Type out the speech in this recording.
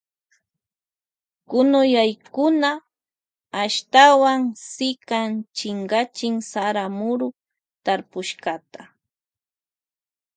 Kunuyaykuna ashtawan sikan chinkachin sara muru tarpushkata.